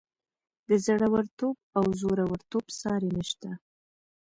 د زړه ورتوب او زورورتوب ساری نشته.